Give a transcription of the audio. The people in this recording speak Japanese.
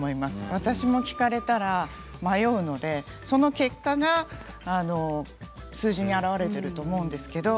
私も聞かれたら迷うのでその結果が数字に表れていると思います。